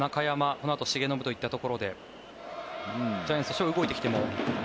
このあと重信といった辺りでジャイアンツとしては動いてきても。